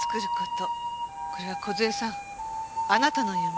これは梢さんあなたの夢。